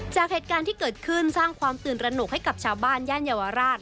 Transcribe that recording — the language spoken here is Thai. จากเหตุการณ์ที่เกิดขึ้นสร้างความตื่นตระหนกให้กับชาวบ้านย่านเยาวราช